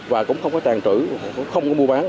và cũng không có tàng trữ không có mua bán